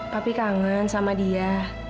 papi kangen sama dia